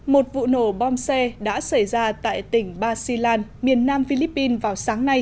một vụ nổ bom xe đã xảy ra tại tỉnh barcelona miền nam philippines vào sáng